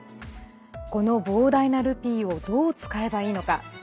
この膨大なルピーをどう使えばいいのか。